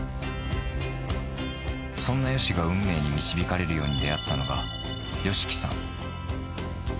そんなＹＯＳＨＩが運命に導かれるように出会ったのが、ＹＯＳＨＩＫＩさん。